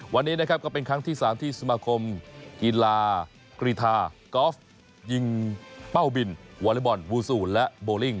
วันนี้นะครับก็เป็นครั้งที่๓ที่สมาคมกีฬากรีธากอล์ฟยิงเป้าบินวอเล็กบอลวูซูนและโบลิ่ง